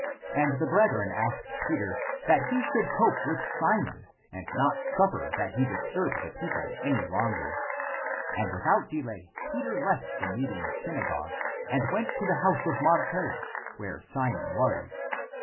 And the brethren asked Peter that he should cope with Simon and not suffer that he disturb the people any longer. And with out delay Peter left the meeting (synagogue), and went to the house of Marcellus, where Simon was.